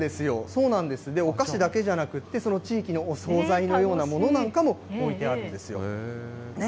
そうなんです、お菓子だけじゃなくって、その地域のお総菜のようなものなんかも、置いてあるんですよね。